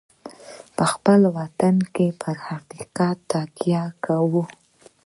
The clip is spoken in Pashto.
په خپل وطن کې پر حقیقت تکیه کوو.